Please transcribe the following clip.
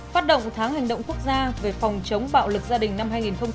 phát động tháng hành động quốc gia về phòng chống bạo lực gia đình năm hai nghìn hai mươi